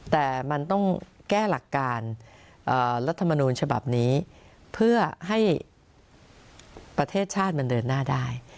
แต่มันต้องแก้หลักการรัฐมนูลฉบับนี้เพื่อให้ประเทศชาติมันเดินหน้าได้